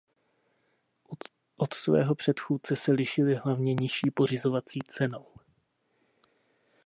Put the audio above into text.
Od svého předchůdce se lišily hlavně nižší pořizovací cenou.